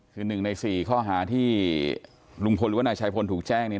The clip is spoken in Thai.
คือ๑ใน๔ข้อหาที่ลุงพลหรือว่านายชายพลถูกแจ้งเนี่ย